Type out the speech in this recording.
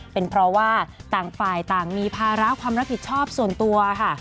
เป็นเพราะว่าต่างฝ่ายต่างมีภาระความรับผิดชอบส่วนตัวค่ะ